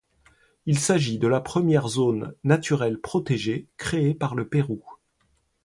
Il s'agit de la première zone naturelle protégée créée par le Pérou.